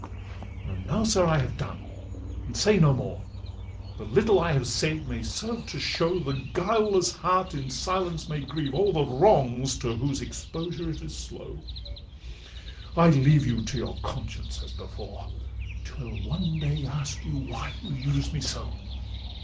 'And now, sir, I have done, and say no more; The little I have said may serve to show The guileless heart in silence may grieve o'er The wrongs to whose exposure it is slow: I leave you to your conscience as before, 'Twill one day ask you why you used me so?